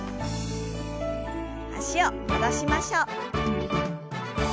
脚を戻しましょう。